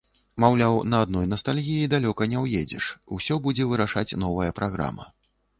Маўляў, на адной настальгіі далёка не ўедзеш, усё будзе вырашаць новая праграма.